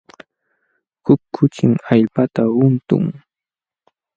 Huk kuchim allpata untun.